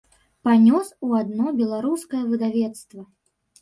Панёс у адно беларускае выдавецтва.